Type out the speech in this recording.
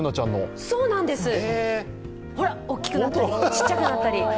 そうなんです、ほら大きくなったりちっちゃくなったり。